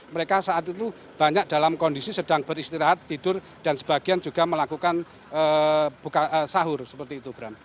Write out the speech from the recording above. mereka saat itu banyak dalam kondisi sedang beristirahat tidur dan sebagian juga melakukan sahur seperti itu bram